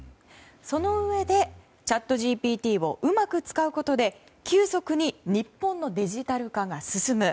そのうえで、チャットＧＰＴをうまく使うことで急速に日本のデジタル化が進む。